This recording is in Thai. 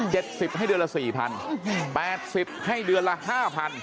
สิบให้เดือนละสี่พันแปดสิบให้เดือนละห้าพัน